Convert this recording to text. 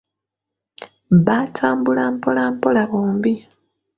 Baatambula mpola mpola bombi.